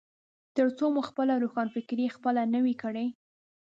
ترڅو مو خپله روښانفکري خپله نه وي کړي.